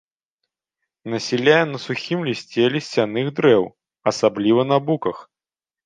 Насяляе на сухім лісце лісцяных дрэў, асабліва на буках.